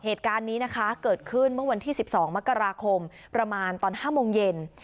เหตุการณ์นี้นะคะเกิดขึ้นเมื่อวันที่๑๒มกราคมประมาณตอน๕โมงเย็น